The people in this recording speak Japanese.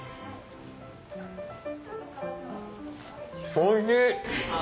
おいしい！